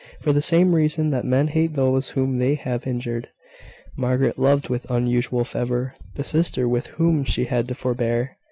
For the same reason that men hate those whom they have injured, Margaret loved with unusual fervour the sister with whom she had to forbear.